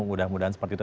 mudah mudahan seperti itu